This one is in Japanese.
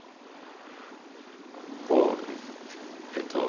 こうえっと